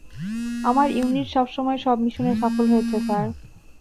আমার ইউনিট সবসময় সব মিশনে সফল হয়েছে, স্যার।